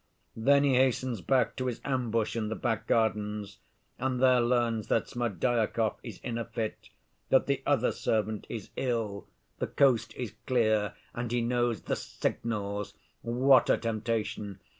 Then he hastens back to his ambush in the back gardens, and there learns that Smerdyakov is in a fit, that the other servant is ill—the coast is clear and he knows the 'signals'—what a temptation!